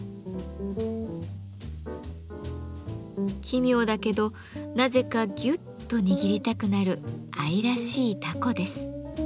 奇妙だけどなぜかぎゅっと握りたくなる愛らしいタコです。